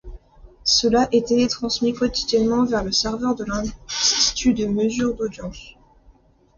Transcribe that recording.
Cela est télétransmis quotidiennement vers le serveur de l'institut de mesure d'audience.